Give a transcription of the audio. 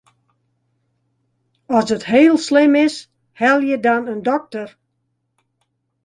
As it heel slim is, helje dan in dokter.